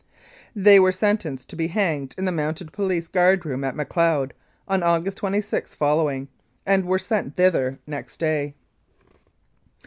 They were sentenced to be hanged in the Mounted Police guard room at Macleod on August 26 following, and were sent thither next day.